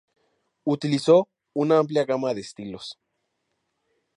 Utilizó una amplia gama de estilos.